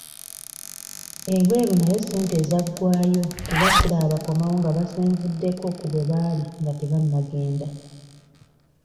Ebweru nayo ssente zaggwayo kuba siraba bakomawo nga basenvuddeko ku bwe baali nga tebannagenda.